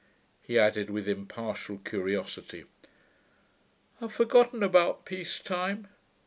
he added with impartial curiosity. 'I've forgotten about peace time....